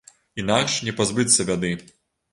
Інакш не пазбыцца бяды.